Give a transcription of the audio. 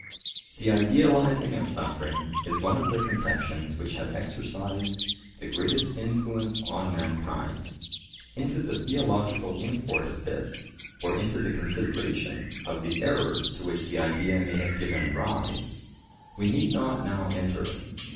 The idealizing of suffering is one of the conceptions which have exercised the greatest influence on mankind. Into the theological import of this, or into the consideration of the errors to which the idea may have given rise, we need not now enter.